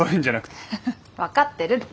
フフ分かってるって。